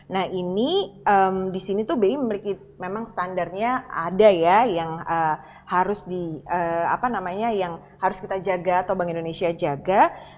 nah ini disini tuh bi memiliki memang standarnya ada ya yang harus kita jaga atau bank indonesia jaga